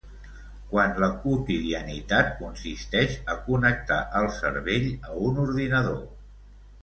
Quan la quotidianitat consisteix a connectar el cervell a un ordinador.